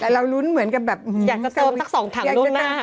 แต่เรารุ้นเหมือนกับแบบอยากจะเสริมสัก๒ถังใช่ไหม